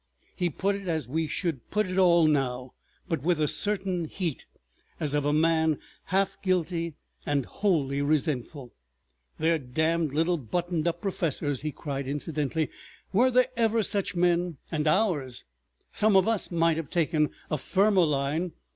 He put it as we should put it all now, but with a certain heat as of a man half guilty and wholly resentful. "Their damned little buttoned up professors!" he cried, incidentally. "Were there ever such men? And ours! Some of us might have taken a firmer line.